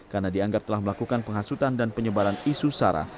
karena dianggap telah melakukan penghasutan dan penyebaran isu sara